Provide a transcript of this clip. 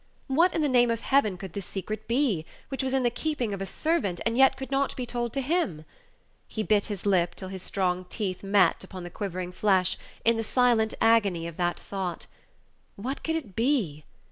What, in the name of Heaven, could this secret be, which was in the keeping of a servant, and yet could not be told to him? He bit his lip till his strong teeth met upon the quivering flesh, in the silent agony of that thought. What could it be?